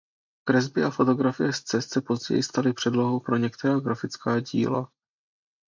Kresby a fotografie z cest se později staly předlohou pro některá grafická díla.